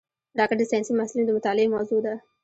راکټ د ساینسي محصلینو د مطالعې موضوع ده